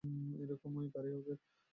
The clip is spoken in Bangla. একই রকম গাড়ি ওদের।